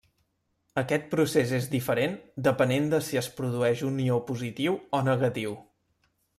Aquest procés és diferent, depenent de si es produeix un ió positiu o negatiu.